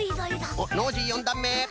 おっノージー４だんめ。